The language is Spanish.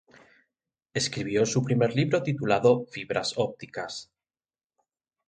Escribió su primer libro titulado "Fibras ópticas.